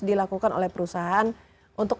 dilakukan oleh perusahaan untuk